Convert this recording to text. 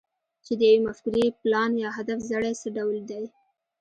چې د يوې مفکورې، پلان، يا هدف زړی څه ډول دی؟